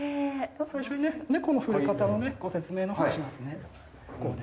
まず最初にね猫の触れ方のねご説明のほうしますね。